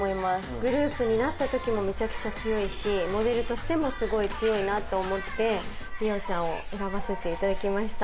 グループになったときもめちゃくちゃ強いし、モデルとしても、すごい強いなって思って、リオちゃんを選ばせていただきました。